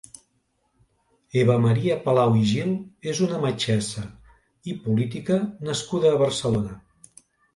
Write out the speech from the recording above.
Eva Maria Palau i Gil és una metgessa i política nascuda a Barcelona.